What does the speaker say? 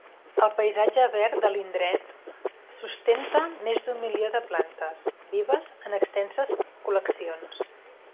El paisatge verd de l'indret, sustenta més d'un milió de plantes vives en extenses col·leccions.